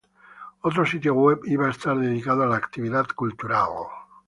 Otro sitio web iba a estar dedicado a la actividad cultural.